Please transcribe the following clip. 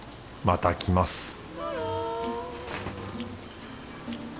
また来ます